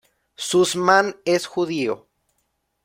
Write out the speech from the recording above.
Sussman es judío.